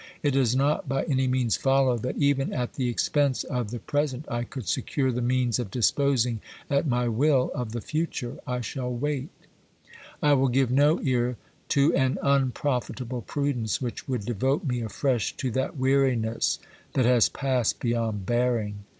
It does not by any means follow that even at the expense of the pre sent I could secure the means of disposing at my will of the future. I shall wait ; I will give no ear to an un profitable prudence which would devote me afresh to that weariness that has passed beyond bearing.